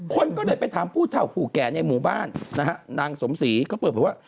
คนก็เลยไปถามผู้เท่าผู้แก่ในหมู่บ้านนะฮะนางสมศรีก็เปิดเผยว่า